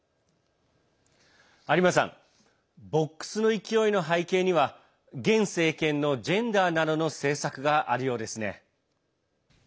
有馬さんボックスの勢いの背景には現政権のジェンダーなどの政策があるようですね。